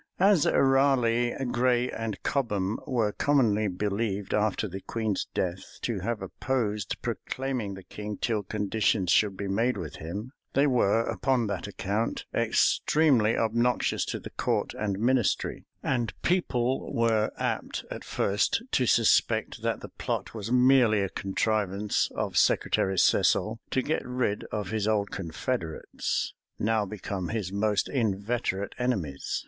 As Raleigh, Grey, and Cobham were commonly believed, after the queen's death, to have opposed proclaiming the king till conditions should be made with him, they were, upon that account, extremely obnoxious to the court and ministry; and people were apt, at first, to suspect that the plot was merely a contrivance of Secretary Cecil, to get rid of his old confederates, now become his most inveterate enemies.